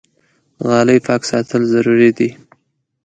غالۍ پاک ساتل ضروري دي.